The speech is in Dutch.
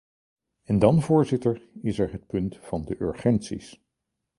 En dan voorzitter, is er het punt van de urgenties.